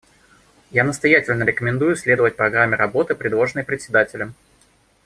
Я настоятельно рекомендую следовать программе работы, предложенной Председателем.